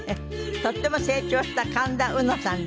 とっても成長した神田うのさんです。